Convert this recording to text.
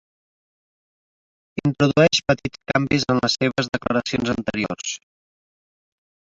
Introdueix petits canvis en les seves declaracions anteriors.